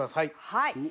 はい。